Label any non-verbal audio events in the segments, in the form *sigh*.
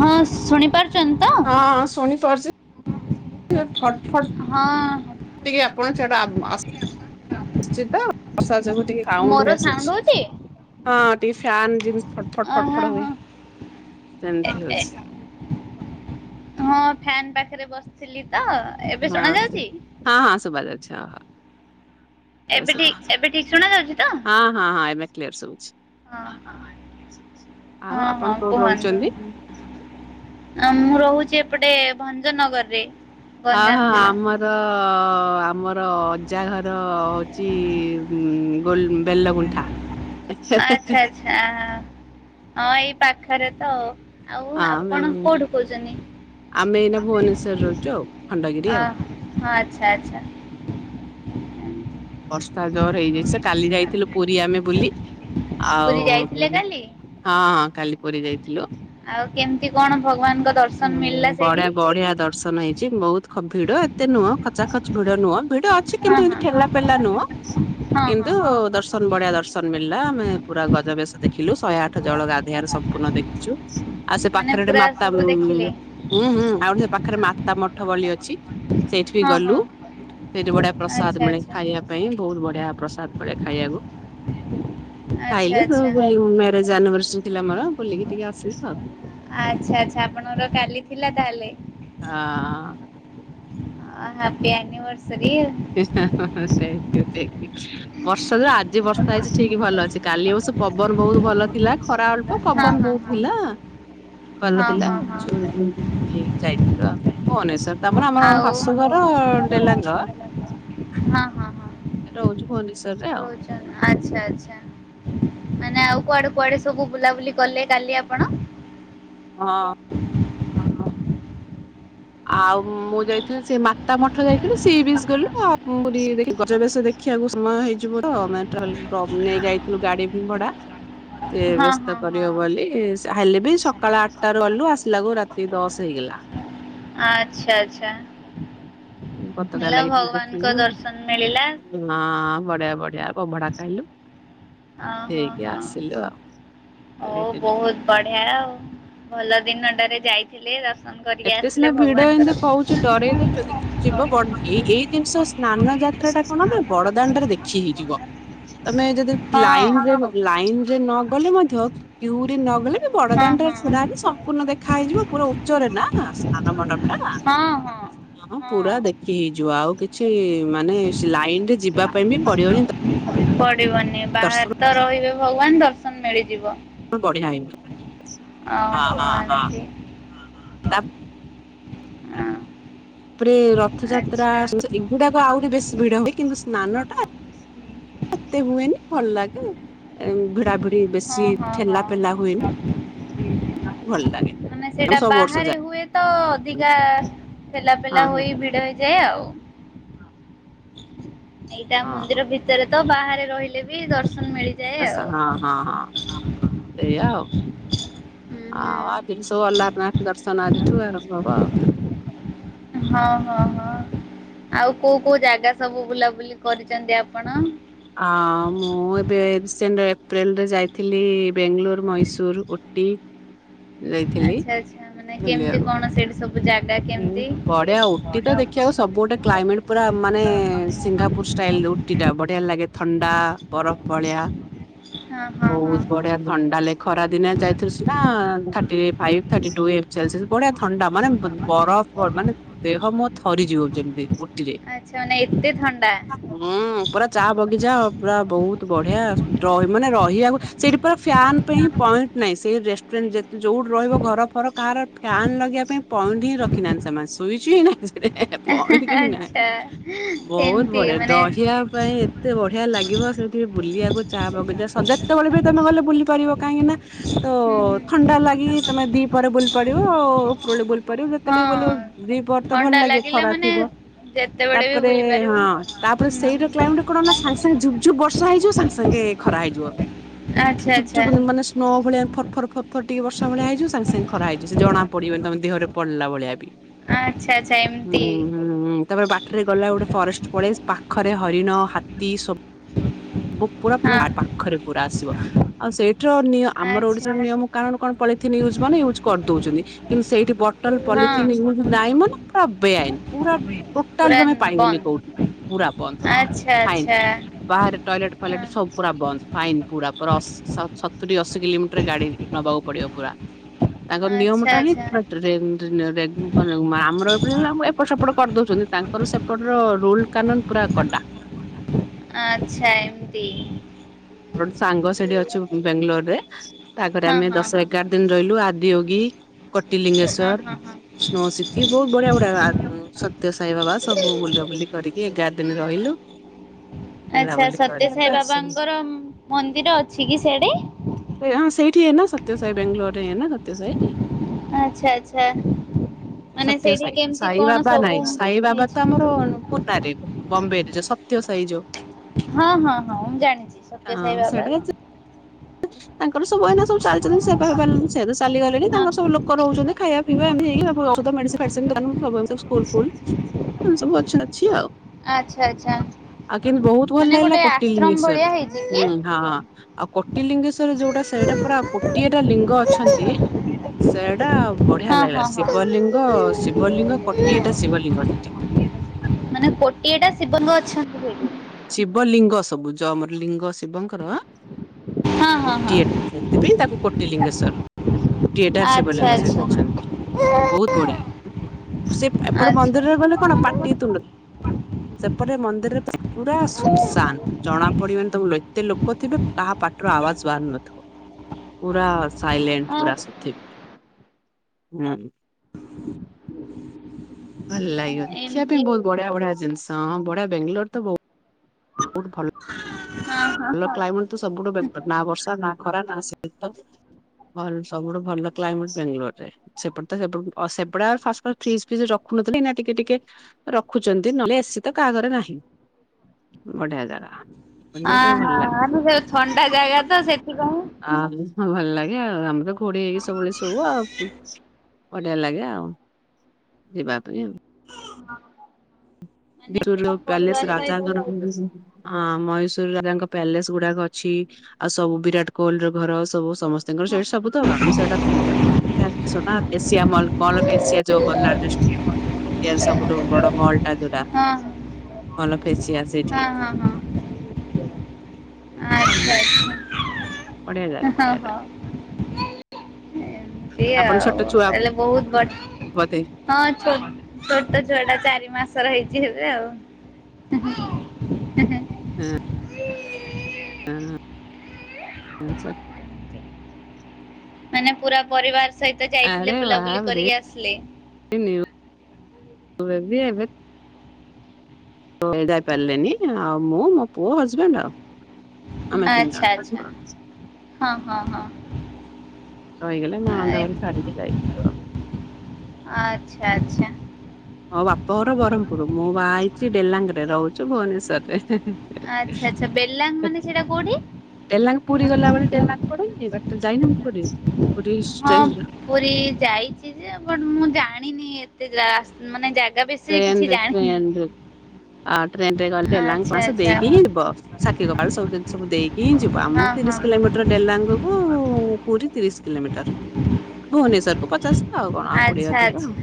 ହଁ ଶୁଣିପାରୁଛନ୍ତି ତ? ହଁ ଶୁଣିପାରୁଛି। *inaudible* ଫଟ୍ ଫଟ୍। ହଁ। *unintelligible* ଆପଣ ସେଟା। *unintelligible* *unintelligible* ତ ବର୍ଷା ଯୋଗୁ ମୋର ସାଉଣ୍ଡ ସାଉଣ୍ଡ ଆସୁଚି। ହଉଛି? ହଁ ଟିକେ ଫ୍ୟାନ ଜି ଫଟ୍ ଫଟ୍ ଅ ଫଟ୍ ହଁ ଫଟ୍ ହୁଏ ହଁ ଏ ସେମିତି ଏ ହଉଛି। ହଁ ଫ୍ୟାନ ପାଖରେ ବସିଥିଲି ତ। ଏବେ ଶୁଣା ଯାଉଛି? ହଁ ହଁ ହଁ ସୁବା ଯାଉଚି ହ ହ। ଏବେ ସୁବୁଚି ଠିକ ଏବେ ଠିକ ଶୁଣା ଯାଉଛି ତ? ହଁ ହଁ ହଁ ଏବେ କ୍ଲିୟର ସବୁଛି। ହଁ ହ ହଁ ଆପଣ ହଁ କୋଉଠି କୁହଁନ୍ତୁ? ରହୁଛନ୍ତି? ମୁଁ ରହୁଛି ଏପଟେ ଭଞ୍ଜନଗରରେ। ହଁ ଗଞ୍ଜାମ ହଁ ଜିଲ୍ଲା। ଆମର ଆମର ଅଜା ଘର ହଉଛି ଉଁ ଗୋ ବେଲଗୁଣ୍ଠା। ଆଚ୍ଛା ହଁ ଆଚ୍ଛା ଆ ହଁ ଏଇ ପାଖରେ ତ ଆଉ ଆପଣ ବେଲଗୁଣ୍ଠା କୋଉଠୁ କହୁଛନ୍ତି? ଆମେ ଏଇନା ଭୁବନେଶ୍ୱରେ ରହୁଛୁ ଆଉ। ଖଣ୍ଡଗିରି ଅ ଆଉ। ହ ଆଚ୍ଛା ଆଚ୍ଛା। ବର୍ଷା ଜୋର ହେଇଯାଇ ସେ କାଲି ଯାଇଥିଲୁ ପୁରୀ ଆମେ ବୁଲି ପୁରୀ ଆଉ ଯାଇଥିଲେ ହଁ କାଲି? ହଁ କାଲି ପୁରୀ ଯାଇଥିଲୁ। ଆଉ କେମିତି କଣ ଭଗବାନଙ୍କ ଦର୍ଶନ ଉଁ ମିଳିଲା ସେଇଠି? ବଢିଆ ବଢିଆ ଦର୍ଶନ ହେଇଛି ବହୁତ ଭିଡ ଏତେ ନୁହଁ ଖଚା ଖଚ ଭିଡ ନୁହଁ ଭିଡ ଅଛି ହଁ କିନ୍ତୁ ଏତେ ହଁ ଠେଲା ପେଲା ନୁଅ। ହଁ ହଁ କିନ୍ତୁ ହଁ ଦର୍ଶନ ବଢିଆ ଦର୍ଶନ ମିଳିଲା ଆମେ ପୁରା ଗଜା ବେଶ ଦେଖିଲୁ ଶହେ ଆଠ ଜଳ ଗାଧେଆରେ ସବ ପୂର୍ଣ୍ଣ ଦେଖିଛୁ ଆଉ ସେ ମାନେ ପାଖରେ ଗୋଟେ ପୁରା ମାତା ସବୁ ଦେଖିଲେ ହୁଁ ହୁଁ ଆଉ ସେ ପାଖରେ ମାତା ମଠ ବୋଲି ଅ ଛି ସେଇଠି ବି ହଁ ହଁ। ଗଲୁ ସେଇଠି ବଢିଆ ପ୍ରସାଦ ଆଚ୍ଛା ମିଳେ। ଆଚ୍ଛା ଖାଇବା ଆଚ୍ଛା ପାଇଁ ବହୁତ ବଢିଆ ପ୍ରସାଦ ମିଳେ ଖାଇବାକୁ। ଖାଇଲୁ ତ ଆଚ୍ଛା। *unintelligible* ମ୍ୟାରେଜ ଆନିଭର୍ସରୀ ଥିଲା ମୋର ବୋଲିକି ଟିକେ ଆସିଲୁ ଆଉ। ଆଚ୍ଛା ଆଚ୍ଛା ଆପଣଙ୍କର କାଲି ଥିଲା ତାହେଲେ। ହଁ। ଅ ହାପି ଆନିବର୍ସରି ଆଉ ସେମ୍ ଟୁ ଏଚି ବର୍ଷରେ ଆଜି ବର୍ଷା ହେଇଛି ଠିକ ଭଲ ଅଛି। କାଲି ବସ ପବନ ବହୁତ ଭଲ ଥିଲା ଖରା ଅଳ୍ପ ହଁ ପବନ ହଁ ବହୁତ ଥିଲା। ଭଲ ହଁ ଥିଲା ହଁ *unintelligible* ହଁ। ଯାଇଥିଲୁ ଅଉ ଭବନେଶ୍ୱର। ତାପରେ ଆମର ଆଉ ହଁ ଶାଶୁଘର ଡେଲାଙ୍ଗ। ହଁ ହଁ ହଁ। ରହୁଛୁ ଭୁବନେଶ୍ଵର ରେ ଆଉ। ରହୁଛନ୍ ଆଚ୍ଛା ଆଚ୍ଛା। ମାନେ ଆଉ କୁଆଡେ କୁଆଡେ ସବୁ ବୁଲାବୁଲି କଲେ କାଲି ଆପଣ? ହଁ। ଅମ ଆଉ ମୁଁ ଯାଇଥିଲି ସେ ମାତା ମଠ ଯାଇଥିଲୁ ସି ବିଚି ଗଲୁ ଆଉ ରି ଗଜା ବେସ ଦେଖ ଦେଖିବାକୁ ସମୟ ହେଇଯିବ ତ ଆମେ ଟ୍ରାଭେଲ ତ ନେଇ ଯାଇଥିଲୁ ଗାଡି ବି ଭଡା। ସେ ହଁ ହଁ ବ୍ୟସ୍ତ କରିବ ହଁ। ବୋଲି ତା ହେଲେ ବି ସକାଳ ଆଠଟାରୁ ଗଲୁ ଆସିଲାକୁୁ ରାତି ଦଶ ହେଇଗଲା। ଆଚ୍ଛା ଆଚ୍ଛା ପତାକା ହେଲା ଲାଗି ଟିକେ ଭଗବାନଙ୍କ ଦେଖିଲୁ ଦର୍ଶନ ମିଳିଲା। ହଁ ବଢିଆ ବଢିଆ ଅବଢା ଖାଇଲୁ। ଅ ହଁ ହେଇକି ହଁ ଆସିଲୁ ଆଉ। ହଉ ବହୁତ ବଢିଆ ଆଉ ଭଲ ଦିନଟାରେ ଯାଇଥିଲେ ଦର୍ଶନ କରିକି ଆସିଲେ ଭଗବାନଙ୍କର। କଉଛି ଡରଇ ଦଉଛନ୍ତି ଯିବ ବଡ ଏ ଏଇ ଜିନିଷ ସ୍ନାନ ଯାତ୍ରା ଟା କଣ ନା ବଡଦାଣ୍ଡ ରେ ଦେଖି ହେଇଯିବ। ତମେ ଯଦି ହଁ। ଲାଇନରେ ଲାଇନରେ ନ ଗଲେ ମଧ୍ୟ କ୍ୟୁରେ ନ ଗଲେ- ବଡଦାଣ୍ଡ ହଁ ରେ ହଁ ଛିଡା ହେବେ ସମ୍ପୂର୍ଣ୍ଣ ଦେଖା ହେଇଯିବ ପୁରା ଉଚ୍ଚରେ ନା ସ୍ନାନ ମଣ୍ଡପଟା। ହଁ ପୁରା ଦେଖି ହେଇଯିବ ଆଉ କିଛି ମାନେ ଲାଇନରେ ଯିବା ପାଇଁ ବି ପଡିବନି। ପଡିବନି। ବାହାରେ ଦର୍ଶନ ତ ରହିବେ ଭଗବାନ ଦର୍ଶନ ମିଳିଯିବ। ବଢିଆ ହେଇନି। ଓ ହଁ ହୋ ହଁ ହଁ ଏମିତି। ଅଁ। ତାପରେ ରଥଯାତ୍ରା ଏଗୁଡାକ ଆହୁରି ବେଶୀ ଭିଡ ହୁଏ କିନ୍ତୁ ସ୍ନାନଟା- ଏତେ ହୁଏନି ଭଲ ଲାଗେ ଭିଡା ଭିଡି ହଁ ବେଶୀ ହଁ ଠେଲା ହଁ। ପେଲା ହୁଏନି। *unintelligible* ଭଲ ଲାଗେ। ମାନେ ମୁଁ ସେଇଟା ସବୁ ବର୍ଷ ବାହାରେ ଯାଏ ହୁଏ ତ ଅଧିକା ଠେଲା ହଁ ପେଲା ହୋଇ ଭିଡ ହେଇଯାଏ ଆଉ। ଏଇଟା ହଁ ହଁ ମନ୍ଦିର ଭିତରେତ ବାହାରେ ରହିଲେ ବି ଦର୍ଶନ ମିଳି- ହଁ ହଁ ହଁ ଏୟା ଆଉ। ହୁଁ ହୁଁ। ଆଉ ଆଜିଠୁ ଅଲାରନାଥ ଦର୍ଶନ ଆଜିଠୁ ଆରମ୍ଭ ହବ ଆଉ। ହଁ ହଁ ହଁ। ଆଉ କୋଉ କୋଉ ଜାଗା ସବୁ ବୁଲାବୁଲି କରିଛନ୍ତି ଆପଣ? ଆ ମୁଁ ଏବେ ରିସେଣ୍ଟ ଏପ୍ରିଲରେ ଯାଇଥିଲି ବେଙ୍ଗାଲୋର ମଇସୁର ଉଟି। ଯାଇଥିଲି ଆଚ୍ଛା ଆଚ୍ଛା ମାନେ କେମିତି ବୁଲିବାକୁ। କଣ ସେଇଠି ସବୁ ଜାଗା କେମିତି? ବଢିଆ ଉଟି ତ ବଢିଆ ମାନେ ଦେଖିବାକୁ ସବୁ ଗୋଟେ ହଁ ହଁ କ୍ଲାଇମେଟ ପୁରା ମାନେ ସିଙ୍ଗାପୁର- ହଁ। ଷ୍ଟାଇଲ ଉଟି ଟା ବଢିଆ ଲାଗେ ଥଣ୍ଡା ବରଫ ଭଳିଆ। ବହୁତ ବଢିଆ ଥଣ୍ଡା ଲାଗେ। ଖରା ଦିନିଆ ଯାଇଥିଲୁ ସିନା ଥାଟିଫାଇଭ ଥାଟିଟ୍ୱ ଏଇ ସେଲସିୟସ ବଢିଆ ଥଣ୍ଡା ମାନେ- ବରଫ ମାନେ ଦେହ ମୋ ଥରିଯିବ ଯେମିତି। ଆଚ୍ଛା ମାନେ ଏତେ ଥଣ୍ଡା। ହଁ ପୁରା ଚା ବଗିଚା ପୁରା ବହୁତ ବଢିଆ ରହି ମାନେ ରହିବାକୁ- ସେଇଠି ପ ଫ୍ୟାନ୍ ପାଇଁ ପଏଣ୍ଟ ନାହିଁ ସେଇ ରେଷ୍ଟୁରାଣ୍ଟ ଯେ ଯୋଉଠି ରହିବ ଘର ଫର କାହାର- ଫ୍ୟାନ୍ ଲଗେଇବା ପାଇଁ ପଏଟ ରଖିନାହାନ୍ତି ସେମାନେ ସୁଇଜି ହିଁ ନାଇଁ। ହେ ହେ ପଏଣ୍ଟ ବି ନାହିଁ। ଆଚ୍ଛା ବହୁତ ଏମିତି ବଢିଆ ମାନେ ରହିବା ପାଇଁ। ଏତେ ବଢିଆ ଲାଗିବ ସେଠି ବୁଲିବାକୁ ଚା ବଗିଚା ସଜ ହୁଁ ଯେତେବେଳେ ବି ତମେ ଗଲେ ବୁଲି ପାରିବ କାହିଁକି ନା- ତ ହୁଁ ଥଣ୍ଡା ଲାଗି ତମେ ଦି ପହରେ ବୁଲି ପାରିବ। ଆଉ ଉପରଓଳି ବୁଲ ପାରିବ। ବେଳେ ବୁଲିବ। ହଁ ଦିପହର ତ ଭଲ ଥଣ୍ଡା ଲାଗେ ଲାଗିଲା ଖରା ମାନେ ଥିବ। ଯେତେବେଳେ ବି ତାପରେ ବୁଲି ପାରିବ। ହଁ ତାପରେ ସେଇଟ କ୍ଲାଇମେଟ କଣ ସାଙ୍ଗେ ସାଙ୍ଗେ ଝୁପ୍ ଝୁପ ବର୍ଷ ହେଇଯିବ। ସାଙ୍ଗେ ସାଙ୍ଗେ- ଖରା ହେଇଯିବ। ଆଚ୍ଛା ଟିକେ ଆଚ୍ଛା ଆଚ୍ଛା ଚୁପଚୁପ୍ ମାନେ ସ୍ନୋ ଭଳିଆ ଫ - ଫରଫର ଫରଫର ଟିକେ ବର୍ଷା ଭଳିଆ ହେଇଜିବ ସାଙ୍ଗେ ସାଙ୍ଗେ ଖରା ହେଇଯିବ ସେ ଜଣା ପଡିବନି ତମ ଦେହରେ ପଡିଲା ଭଳିଆ ବି। ଆଚ୍ଛା ଆଚ୍ଛା ଏମତି। ହୁଁ ହୁଁ ତାପରେ ବାଟରେ ଗଲା ଗୋଟେ ଫରେଷ୍ଟ ପଳେଇ ପାଖରେ ହରିଣ ହାତୀ ସବୁ। ପୁରା ଆା ହଁ ପାଖରେ ପୁରା ଆସିବ। ଆଉ ସେଇଠୁ ର ଆମର ଆଚ୍ଛା ଓଡିଶାର ନିୟମ। କାରଣ କଣ ପଲିଥିନ୍ ୟୁଜ ମାନେୟୁଜ୍ କରିଦଉଛନ୍ତି କିନ୍ତୁ ସେଇଠି ବଟଲ ପଲିଥିନ୍ ହଁ ଜ- ନାଇ ମାନ ପୁରା ବେଆଇନି ପୁରା। ଟୋଟାଲି ପୁରା ତମେ ପାଇବନି ବନ୍ଦ କୋଉଠି। ପୁରା ବନ୍ଦ୍ ହଁ ଆଚ୍ଛା ଫାଇନ ଆଚ୍ଛା ବାହାରେ। ଟଏଲେଟ ହଁ ଫଏଲେଟ ସୁବୁ ପୁରା ବନ୍ଦ। ଫାଇନ୍ ପୁରା କ୍ରସ। ସତୁରି ଅଶୀ କିଲୋମିଟର ଗାଡି ନବାକୁ ପଡିବ ପୁରା। ତାଙ୍କର ଆଚ୍ଛା ନିୟମଟା ଆଚ୍ଛା ହେଇ *unintelligible* ଆମର ପ। ଏପଟ ସେପଟ କରିଦଉଛନ୍ତି ତାଙ୍କର ସେପଟ ରୋଲ କାନୁନ ପୁରା କଡା। ଆଚ୍ଛା ଏମିତି। ମରୋ ସାଙ୍ଗ ସେଠି ଅଛି ବେଙ୍ଗାଲୋର ରେ ତାପରେ ହଁ ଆମେ ହଁ ଦଶ ହଁ ଏଗାର। ଦିନ ରହିଲୁ ଆଦିଓୋଗୀ ହଁ ହଁ କଟଲିିଙ୍ଗେଶ୍ଵର ସ୍ନୋ। ଟିଏ ବହୁତ ବଢିଆ ବଢିଆ ଆ ହଁ ସତ୍ୟ ସାାଇ ବାବା ସବୁ ବୁଲାବୁଲି କରିକି ଏଗାର ଦିନ ରହିଲୁ। ଆଚ୍ଛା ବୁଲାବୁଲି କରିକି ସତ୍ୟସାଇ ଆସିଲୁ। ବାବାଙ୍କର ମନ୍ଦିର ଅଛି କି ସେଠି। ସେ ହଁ ସେଇଠି ନା ସତ୍ୟ ସାାଇ ବାେଙ୍ଗାଲୋରରେ ସତ୍ୟ ସାାଇ। ଆଚ୍ଛା ଅଚ୍ଛା। ସତ୍ୟ ସାଇ ବାବା ନାଇଁ ସାଇ ବାବା ହେଇଛି? ତ ଆମର। ପୁନାରେ ବମ୍ବେ ରେ ଯୋଉ ସତ୍ୟ ସାଇଯୋଉ। ହଁ ହଁ ହଁ ମୁଁ ଜାଣିଛି ସତ୍ୟ ସାଇ ହଁ ବାବା। ସେଇଟା ତାଙ୍କର ସବୁ ବହିନା ସବୁ ଚାଲିଛନ୍ତି ସୋପାରିଲନି। ସେ ତ ଚାଲିଗଲେଣି ହଁ ତାଙ୍କ ସବୁ ଲୋକ ରହୁଛନ୍ତି ଖାଇବା ପିଇବା ଏମତି ହେଇଧଲ। ଏମିତି ସବୁ ଅଛି ଅଛି ଆଉ। ଆଚ୍ଛା ଆଚ୍ଛା ଆଉ କିନ୍ତୁ ବହୁତ ଭଲ ମାନେ ଲାଗିଲା ଗୋଟେ ଆଶ୍ରମ ଭଳିଆ କଟିଲିଙ୍ଗେଶ୍ଵର ହେଇଛି କି? ହୁଁ ହଁ। ଆଉ କୋଟି ଲିଙ୍ଗେଶ୍ଵରରେ ଯୋଉଟା ସେଇଟା ପୁରା କଟିଏ ଟା ଲିଙ୍ଗ ଅଛନ୍ତି ସେଇଟା। ବଢିଆ ହଁ ଲାଗିଲା ହଁ ହଁ। ଶିବଲିଙ୍ଗ ଶିବଲିଙ୍ଗ କୋଟିଏ ଟା ଶିବଲିଙ୍ଗ ସେଠି। ମାନେ କୋଟିଏ ଟା ଶିବଙ୍ଗ ଅଛନ୍ତି। ଶିବ ଲିଙ୍ଗ ସବୁଜ ଆମର ଲିଙ୍ଗ ଶିବଙ୍କର। ହଁ ହଁ ହଁ କୋଟିଏ ଟା ସେଥିପାଇଁ ତାକୁ କୋଟି ଲିଙ୍ଗେଶ୍ୱର। କୋଟିଏ ଟା ଆଚ୍ଛା ଶିବଲିଙ୍ଗ ଆଚ୍ଛା ଅଛନ୍ତି ବହୁତ ବଢିଆ। ସେ ଏପଟେ ଆଚ୍ଛା। ମନ୍ଦିରରେ ଗଲେ କଣ ପାଟି ତୁଣ୍ଡ ସେପଟେ ମନ୍ଦିରରେ।। ପୁରା ସୁନସାନ। ଜଣା ପଡିବନ ତମ ଏତେ ଲୋକ ଥିବେ ତାହା ପାଠରେ ଆବାଜ ବାହରୁ ନଥିବ। ପୁରା ସାଇଲେଣ୍ଟ ଆଉ ପୁରାଥି ହୁଁ। ଭଲ ଲାଗିବ ଦେଖିବା ପାଇଁ ଏମିତି ବହୁତ ବଢିଆ ବଢିଆ ଜିନିଷ ହଁ ବଢିଆ ବାଙ୍ଗାଲୋର ତ ବହୁତ ବହୁ ଭଲ। ହଁ ହଁ ଭଲ ହଁ। କ୍ଲାଇମେଟ ତ ସବୁଠୁ ବେର ନା ବର୍ଷା ନା ଖରା ନା ଶିତ। ଭଲ ସବୁଠୁ ଭଲ କ୍ଲାଇମେଟ ବେଙ୍ଗାଲୋର ରେ। ସେପଟେ ତ ସେ ସେପଡ ଆଉ ଫାଷ୍ଟ ଫାଷ୍ଟ ଫ୍ରିଜ୍ ଫ୍ରଜ୍ ରଖୁନଥିଲ ନା ଟିକେ ଟିକେ। ରଖୁଛନ୍ତି ନହେଲେ ଏସି ତ କାହାଘରେ ନାହିଁ ବଢିଆ ଜାଗା। ବୁଲିବା ପାଇଁ ଅହ ଭଲ ଲାଗେ। ଆମେ ଯୋଉୁ ଥଣ୍ଡା ଜାଗା ତ ସେଥିପାଇଁ। ଆଉ ହଁ ଭଲ ଲାଗେ ଆଉ ଆମର ତ ଘୋଡ ହେଇକି ସବୁବେଳେ ଶଉ ଆଉ। ବଢିଆ ଲାଗେ ଆଉ ଯିବା ପାଇଁ। ହଁ। ବି ଲ ପ୍ୟାଲେସ ରାଜା ଗର। ହଁ ମହଶୂରରେ ତାଙ୍କ ପ୍ୟାଲେସ ଗୁଡାକ ଅଛି ଆଉ ସବୁ ବିରାଟ କୋହଲି ର ଘର ସବୁ। ସମସ୍ତଙ୍କର ସେଇଠି ସବୁ ତ ଭାବୁ ସେଇଟା। ଏସିଆ ମଲ ମ ଏସିଆ ଯୋଉ ଭଲ ସବୁଠୁ ବଡ ମଲ୍ ଟା ଯୋଉଟା। ହଁ ଅଲ ହେସିଆ ସେଠି। ହଁ ହଁ ହଁ ଆଚ୍ଛା ଭାଇ ଆଚ୍ଛା ପ଼ଆ ଜାଗ ପଆ ହଁ ଜାଗ। ହଁ। ସେ ଆଉ ଛୁଆ ହେଲେ ବହୁତ ବ। ବୋଧେ ହଁ ଛୋଟ ଛୁଆ ଟା ଚାରି ମାସର ହେଇଛି ହେଲେ ଆଉ। ହ ହ ହ ହଁ। ହୁଁ। ହଁ ହଁ। ମାନେ ପୁରା ପରିବାର ସହିତ ଯାଇଥିଲେ ବୁଲାବୁଲି କରିକି ଆସିଲେ। ହେବେ। *unintelligible* ଏ ଯାଇ ପାରିଲେନି ଆଉ ମୁଁ ମୋ ପୁଅ ହଜବେଣ୍ଡ ଆଉ ଆମେ ତିନି ଆଚ୍ଛା ଆଚ୍ଛା ଜଣ ହଁ ହଁ ହଁ। ରହିଗଲା ନଣନ୍ଦ ଘରେ ଏମତି ଛାଡିକି ଯାଇଥିଲୁ ଆଉ। ଆଚ୍ଛା ଆଚ୍ଛା। ମୋ ବାପ ଘର ବ୍ରହ୍ମପୁର ମୁଁ ବାହା ହେଇଛି ଡେଲାଙ୍ଗ ରେ ରହୁଛିୁ ଭୁବନେଶ୍ଵରରେ ହେଁ ଆଚ୍ଛା ଆଚ୍ଛା ବେଲାଙ୍ଗ ହେଁ। ମାନେ ସେଇଟା କୋଉଠି? ଡେଲାଙ୍ଗ ପୁରୀ ଗଲା ବଳେ ଡେଲା ପଢ଼ନ୍ତି ବାଟ ଯାଇନା କି ପୁରୀ? ପୁରୀ ହଁ। ଷ୍ଟେସନ ପୁରୀ ଯାଇଛି ଯେ ବଟ ମୁଁ ଜାଣିନି ଏତେ ମାନେ ଜାଗା ବେଶ ଟ୍ରେନ ରେ ଟ୍ରେନରେ ଆଉ ଟ୍ରେନ ରେ ଗଲେ ଡେଲାଙ୍ଗ ଆଚ୍ଛା ପାଶ ଆଚ୍ଛା ଦେଇକି ହିଁ ଯିବ। ସାକ୍ଷୀ ଗୋପାଳ ସବୁ ଜିନିସ ଦେଇକି ହିଁ ଯିବୁ। ଆମକୁ ହଁ ହଁ ତିରିଶ ହଁ। କିଲୋମିଟର ଡେଲାଙ୍ଗ କୁ ପୁରୀ ତିରିଶ କିଲୋମିଟର। ଭୁବନେଶ୍ଵର କୁ ପଚାଶ ଆଉ କଣ ଆଉ କୋଡିଏ ଆଚ୍ଛା ଅଧିକ। ଆଚ୍ଛା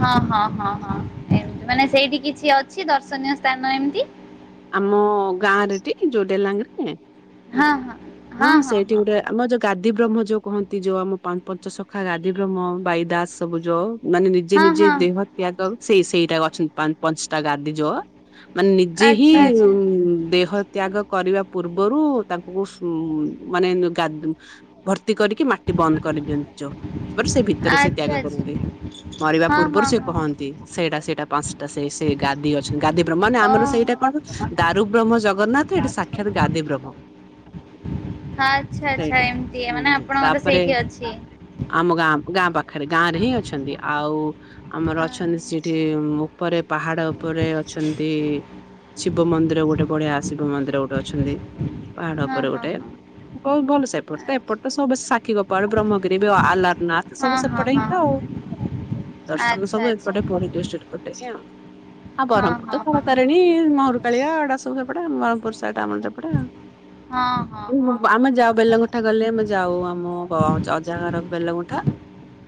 ହଁ ହଁ ହଁ ହଁ ଏମତି ମାନେ ସେଇଠି କିଛି ଅଛି ଦର୍ଶନୀୟ ସ୍ଥାନ ଏମିତି? ଆମ ଗାଁ ରେଟି ଯୋଉ ଡେଲାଙ୍ଗରେ? ହଁ ହଁ। ହଁ ସେଇଠି ଗୋଟେ ଆମ ଯୋଉ ଗାଦି ବ୍ରହ୍ମ ଯୋଉ କହନ୍ତି ଯୋଉ ଆମ ପଞ୍ଚସଖା ଗାଦି ବ୍ରହ୍ମ ବାଇ ଦାସ ସବୁ ଯୋଉ ମାନେ ନି ଯେ ହଁ ନିଜେ ହଁ ଦେହତ୍ୟାଗ ସେଇ ସେଇଟା ଅଛନ୍ତି ପା ପାଞ୍ଚଟା ଗାଦି ଯଅ ମାନେ ନିଜେ ହିଁ ଆଚ୍ଛା ଆଚ୍ଛା ଦେହ ତ୍ୟାଗ କରିବା ପୂର୍ବରୁ ତାଙ୍କୁ ହଁ ମାନେ ଗା ଭର୍ତ୍ତି କରିକି ମାଟି ବନ୍ଦ କରିଦିଅନ୍ତି ତାପ ସେ ଭିତରେ ସେ ଆଚ୍ଛା ତ୍ୟାଗ ଆଚ୍ଛା କରନ୍ତି ମରିବା ହଁ ପୂର୍ବରୁ ହଁ ସେ ହଁ। କହନ୍ତି ସେଇଟା ସେଇଟା ପାଞ୍ଚଟା ସେ ସେ ଗାଦି ଅଛନ୍ତି ଗାଦିବ ମାନେ ଆମର ସେଇଟା ଓହୋ। *unintelligible* ଦାରୁ ବ୍ରହ୍ମ ଜଗନ୍ନାଥ ଏଠି ସାକ୍ଷାତ ଗାଦି ବ୍ରହ୍ମ। ହଁ ଆଚ୍ଛା ଆଚ୍ଛା ସେଇଟା ଏମିତି ମାନେ ହୁଁ ଆପଣଙ୍କର ତାପରେ ସେଇଠି ଅଛି? ଆମ ଗାଁ ଗାଁ ପାଖରେ ଗାଁ ରେ ହଁ ହିଁ ଅଛନ୍ତି ଆଉ ଆମର ଅଛନ୍ତି ସେଠି ପରେ ପାହାଡ ଉପରେ ଅଛନ୍ତି ଶିବ ମନ୍ଦିର ଗୋଟେ ବଢିଆ ଶିବ ମନ୍ଦିର ଗୋଟେ ଅଛନ୍ତି ପାହାଡ ଉପରେ ହଁ ଗୋଟେ ବହୁତ ଭଲ ସେପଟ ତ ଏପଟ ତ ସବୁ ସାକ୍ଷୀ କୋପାଳ ବ୍ରହ୍ଗିଗିରି ଆଲାରନାଥ ସବୁ ହଁ ହଁ ଆଚ୍ଛା ହଁ ହଁ ସେପଟେ ହଁ ହିଁ ତ ଆଉ। ଦର୍ଶନ ଆଚ୍ଛା ସବୁ ଆଚ୍ଛା ଏପଟେ ପୁରି ଡିଷ୍ଟଟି ପଟେ ହିଁ ଆଉ ହଁ ବ୍ରହମପୁର ହଁ ତର ତାରି ଫେଣୀ ମହରୁ କାଳିଆ ଏଟା ସବୁ ସେପଟେ ବ୍ର୍ପୁରଷାଟା ଆମର ଯୋଉ ପଟେ ଆଉ। ହଁ। ହଁ ହଁ ଆମେ ହଁ ଯାଉ ବେଲଙ୍ଗୁଠା ଗଲେ ଆମେ ଯାଉ ଆମ ଅଜାଘର ବେଲଙ୍ଗଠା।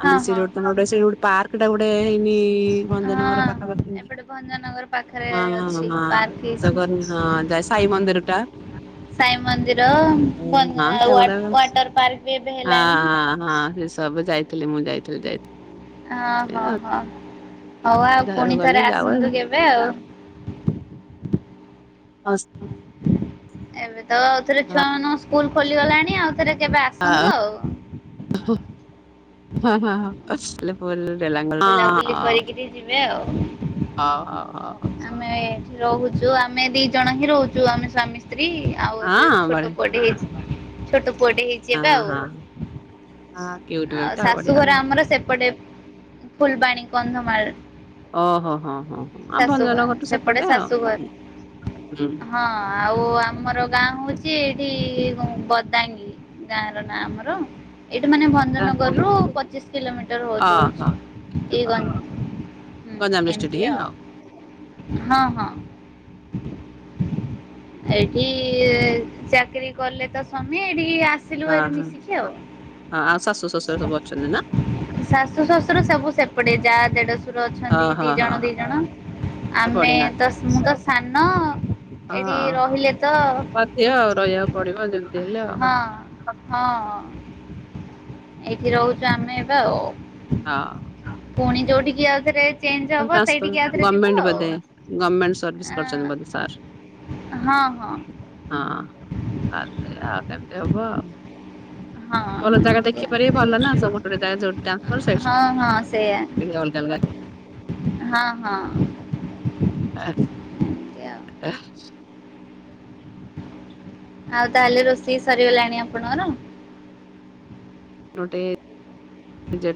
ଆମେ ହଁ ସେ ହଁ ଗୋଟେ ଗୋଟେ ପାର୍କ ଟା ଗୋଟେ ହେଇନି ଭଞ୍ଜନଗର ହଁ ପାଖାପାଖିି। ଏପଟେ ଭଞ୍ଜନଗର ପାଖରେ ଅଛି ପାର୍କ ହେଇଛି। ଜଗନ୍ ହଁ ଯାଏ ସାଇ ମନ୍ଦିର ଟା। ସାଇ ମନ୍ଦିର ହଁ ସେଗୁଡାକ ହଁ ୱାଟର ପାର୍କ ବି ଏବେ ହେଲାଣି। ହଁ ସେ ସବୁ ଯାଇଥିଲି ମୁଁ ଯାଇଥିଲି ଯାଇଥିଲି। ଓଁହୋ ହଁ ହଉ ଆଉ ଯାହାକୁ ପୁଣି ଗଲେ ଥରେ ଯାଉ ଆସନ୍ତୁ ଆଉ। କେବେ କେବେ ଆଉ ହସ୍ ଏବେ ତ ଆଉଥରେ ହଁ ହଁ ଛୁଆ ମାନଙ୍କ ସ୍କୁଲ ଖୋଲିଗଲାଣି ଆଉ ଥରେ ଯିବା। ଆସନ୍ତୁ ଆଉ। ବୁଲାବୁଲି *unintelligible* କରିକିରି ଯିବେ ଆଉ। ହଁ ଆମେ ଏଠି ରହୁଚୁ ଆମେ ଦି ଜଣ ହିଁ ରହୁଚୁ ଆମେ ସ୍ଵାମୀ ସ୍ତ୍ରୀ। ଆଉ ଏବେ ହଁ ଛୋଟ ବଢିଆ ପୁଅ ଟେ ହେଇଚି ଛୋଟ ପୁଅ ଟେ ହେଇଚି। ଅ ହଁ ଅ ଆଉ ଶାଶୁଘର ଆମର ସେପଟେ ଫୁଲ୍ ବାଣୀ କନ୍ଧମାଳ। ଓହୋ ହଁ ହଁ। ହଁ ଆଉ ଶାଶୁ ଭଞ୍ଜନ ଗାଁ ଘରଠୁ ସେପଟେ ଆଉ। ଶାଶୁଘର ହୁଁ ହଁ। ଆଉ ଆମର ଗାଁ ହଉଚି ଏଇଠି ବଦାଙ୍ଗି। ଗାଁ ର ନା ଆମର ଏଇଟୁ ମାନେ ଭଦ୍ ଓହୋ ଭଜଂନଗରରୁୁ ପଚିଶ୍ କିଲୋମିଟର ହଉଚି ଏଇ ଗଜ୍ ଗଞ୍ଜାମ ଡିଷ୍ଟିଟ୍ ହଉ। ହଁ ହଁ। ଏଇଠି ଚାକିରୀ କଲେ ତ ସ୍ୱାମୀ ଏଠିକି ଆସ୍ ହଁ ଆସିଲୁହରି ହଁ ମିଶିକି ଆଉ। ହଁ ଆଉ ଶାଶୁ ଶ୍ୱଶୁର ସବୁ ଅଛନ୍ତି ନା ଶାଶୁ, ଶ୍ୱଶୁର ସବୁ ସେପଟେ ଯାଆ ଦେଢଶୁର ହଁ ଅଛନ୍ତି, ଦି ହଁ ହଁ ଜଣ ଦି ହଁ ଜଣ। ଆମେ ବଢିଆ। ତ ମୁଁ ତ ସାନ। ହଁ ଏଇଠି ହଁ। ରହିଲେ ତ ବାଧ୍ୟ ଆଉ ରହିଆକୁ ପଡିବ ଯେମିତି ହେଲେ। ହଁ ହଁ, ଏଇଠି ରହୁଚୁ ଆମେ ଏବେ ଆଉ। ହଁ। ପୁଣି ଯୋଉଠିକି ଆଉଥରେ ଚେଞ୍ଜ ହବ ସେଇଠିକି ଆଉଥରେ ଯିବୁ ଗର୍ମେଣ୍ଟ ଆଉ। ବୋଧେ ଗର୍ମେଣ୍ଟ ସର୍ବିସ୍ କରିଛନ୍ତି ବଧେ ସାର୍? ହଁ ହଁ। ହଁ ଆ ସେ ଆଉ କେମିତି ହବ ଆଉ। ହଁ ଭଲ ଜାଗା ଦେଖିପାରିବି ଭଲ ନା ଏମିତି ଆଉ। ସବୁଟାରେ *inaudible* ସେଇ ଟି। ହଁ ହଁ ସେଇଆ ଟିକେ ଅଲଗା ଅଲଗା। ହଁ ହଁ। ଆ କ୍। ଏଇଆଉ। ଆ *unintelligible* ଆଉ ତାହେଲେ ରୋଷେଇ ସରିଗଲାଣି ଆପଣଙ୍କର? ନୋଟେ ଯେ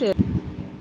ସେଇଆ